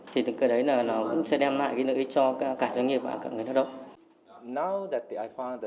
thì từ cơ đấy là nó cũng sẽ đem lại cái lợi ích cho cả doanh nghiệp và cả người lao động